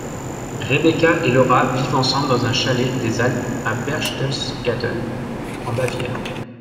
Rebecca et Laura vivent ensemble dans un chalet des Alpes à Berchtesgaden, en Bavière.